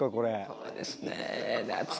そうですね。